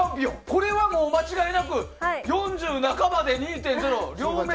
これはもう間違いなく４０半ばで２．０、両目。